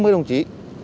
năm mươi đồng chí